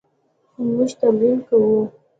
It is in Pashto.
موږ تمرین کوو